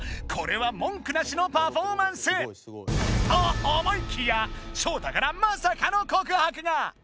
これは文句なしのパフォーマンス！と思いきやショウタからまさかの告白が！